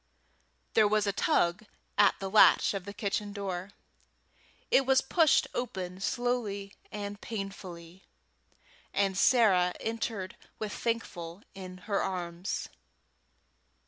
There was a tug at the latch of the kitchen door; it was pushed open slowly and painfully, and Sarah entered with Thankful in her arms.